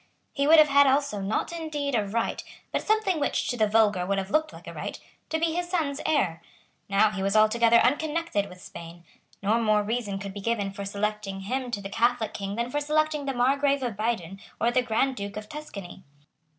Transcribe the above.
He would have had also, not indeed a right, but something which to the vulgar would have looked like a right, to be his son's heir. Now he was altogether unconnected with Spain. No more reason could be given for selecting him to be the Catholic King than for selecting the Margrave of Baden or the Grand Duke of Tuscany.